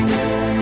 untuk kjar itu